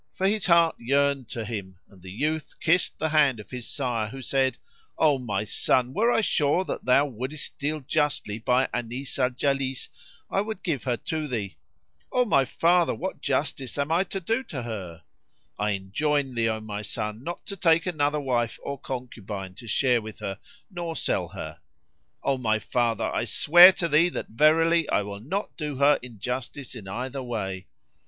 for his heart yearned to him; and the youth kissed the hand of his sire who said, "O my son, were I sure that thou wouldest deal justly by Anis al Jalis, I would give her to thee." "O my father, what justice am I to do to her?" "I enjoin thee, O my son, not to take another wife or concubine to share with her, nor sell her." "O my father! I swear to thee that verily I will not do her injustice in either way."